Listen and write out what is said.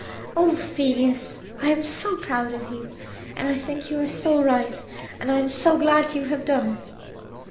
"Oh, Phineas, I am so proud of you; and I think you are so right, and I am so glad you have done it."